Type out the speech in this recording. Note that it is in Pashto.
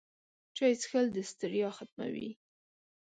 چای څښل د ستړیا ختموي